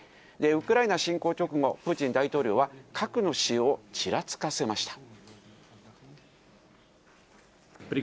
ウクライナ侵攻直後、プーチン大統領は、核の使用をちらつかせました。